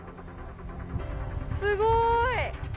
すごい。